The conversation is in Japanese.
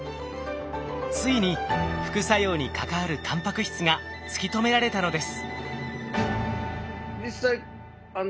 ついに副作用に関わるタンパク質が突き止められたのです。